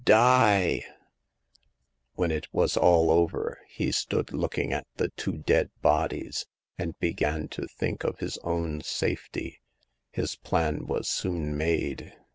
Die !" When it was all over, he stood looking at the two dead bodies, and began to think of his own safety. His plan was soon made.